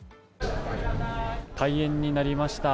開園になりました。